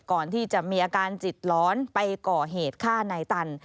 ก่อนที่จะมีอาการจิตร้อนไปก่อเหตุฆ่านายตัน